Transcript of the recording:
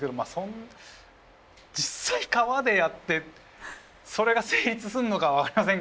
実際川でやってそれが成立すんのかは分かりませんけど。